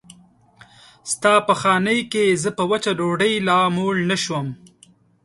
ستا په خانۍ کې زه په وچه ډوډۍ لا موړ نه شوم.